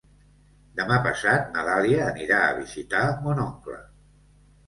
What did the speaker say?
Demà passat na Dàlia anirà a visitar mon oncle.